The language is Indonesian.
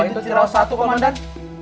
apa itu ciraus satu komandan